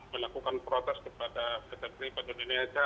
melakukan protes kepada pihak pribadi indonesia